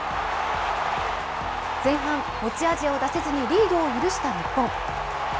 前半、持ち味を出せずにリードを許した日本。